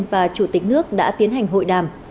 và chủ tịch nước đã tiến hành hội đàm